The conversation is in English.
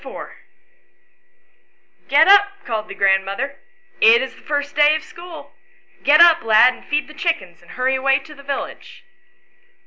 IV. " GET up," called the grandmother ;" it is the first day of school ; get up, lad, and feed the chickens, and hurry away to the village."